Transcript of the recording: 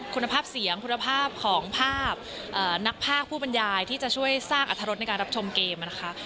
คุณภาพเสียงคุณภาพของภาพนักภาคผู้บรรยายที่จะช่วยสร้างอัธรสในการรับชมเกมนะคะ